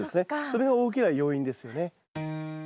それが大きな要因ですよね。